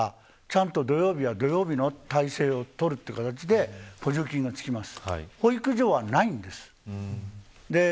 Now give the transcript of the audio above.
学童保育はちゃんと土曜日は土曜日の体制をとるという形で補助金が付きます。